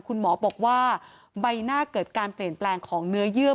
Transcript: คุณหมอบอกว่าใบหน้าเกิดการเปลี่ยนแปลงของเนื้อเยื่อ